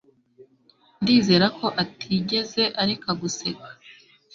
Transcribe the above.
Ndizera ko atigeze areka guseka